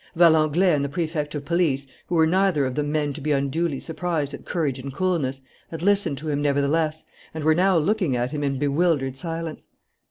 Valenglay and the Prefect of Police, who were neither of them men to be unduly surprised at courage and coolness, had listened to him, nevertheless, and were now looking at him in bewildered silence.